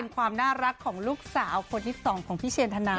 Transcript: ความน่ารักของลูกสาวคนที่๒ของพี่เชนธนา